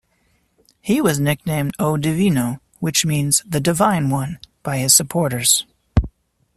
He was nicknamed O Divino, which means The Divine One, by his supporters.